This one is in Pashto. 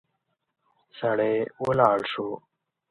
سړی ولاړ شو.